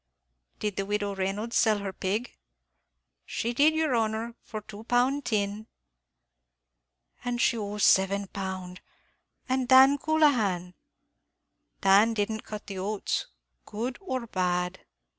"Did the widow Reynolds sell her pig?" "She did, yer honor, for two pound tin." "And she owes seven pound. And Dan Coulahan " "Dan didn't cut the oats, good or bad."